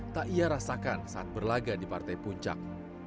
tak ia rasakan saat berlaga di partai puncak